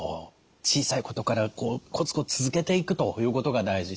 小さいことからコツコツ続けていくということが大事。